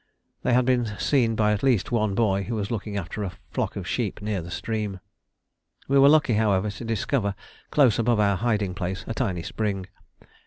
They had been seen by at least one boy who was looking after a flock of sheep near the stream. We were lucky, however, to discover, close above our hiding place, a tiny spring.